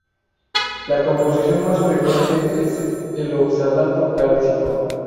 La composición más frecuente es el oxalato cálcico.